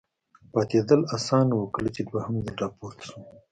پاتېدل اسانه و، کله چې دوهم ځل را پورته شوم.